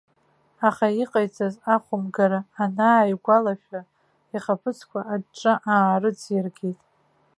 Аха иҟаиҵаз ахәымгара анааигәалашәа, ихаԥыцқәа аҿҿа аарыҵиргеит.